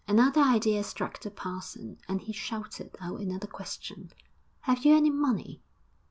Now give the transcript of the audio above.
Another idea struck the parson, and he shouted out another question. 'Have you any money?'